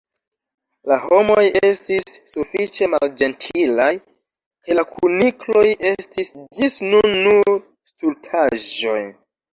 La homoj estis sufiĉe malĝentilaj, kaj la kunikloj estis ĝis nun nur stultaĵoj!